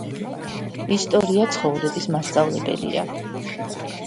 ისტორია ცხოვრების მასწავლებელია